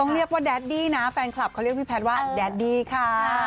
เรียกว่าแดดดี้นะแฟนคลับเขาเรียกพี่แพทย์ว่าแดดดี้ค่ะ